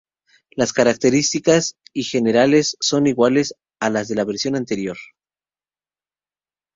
Las características y generales son iguales a las de la versión anterior.